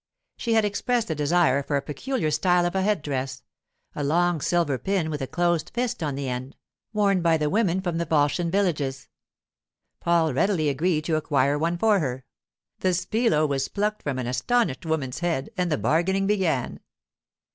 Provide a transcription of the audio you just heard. She had expressed a desire for a peculiar style of head dress—a long silver pin with a closed fist on the end—worn by the women from the Volscian villages. Paul readily agreed to acquire one for her. The spillo was plucked from an astonished woman's head and the bargaining began.